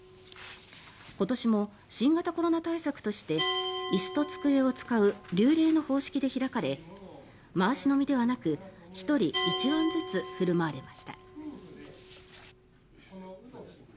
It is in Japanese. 今年も新型コロナ対策として椅子と机を使う立礼の方式で開かれ回し飲みではなく１人１わんずつ振る舞われました。